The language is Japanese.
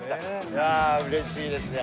いやうれしいですね。